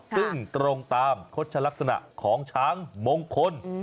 ซึ่งตรงตามโฆษลักษณะของช้างมงคล